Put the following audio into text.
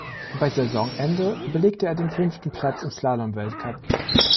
Bei Saisonende belegte er den fünften Platz im Slalomweltcup.